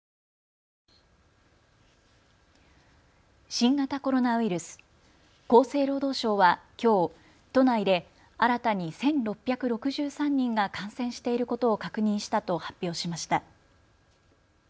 新型コロナウイルス、厚生労働省はきょう都内で新たに１６６３人が感染していることを確認したと発表しました。